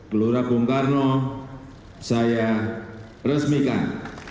gelora bung karno saya resmikan